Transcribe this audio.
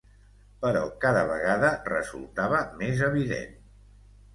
Però cada vegada resultava més evident